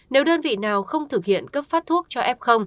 nếu đơn vị nào không thực hiện cấp phát thuốc cho f